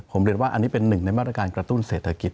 ผมเรียนว่าอันนี้เป็นหนึ่งในมาตรการกระตุ้นเศรษฐกิจ